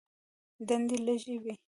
دندې لږې وې.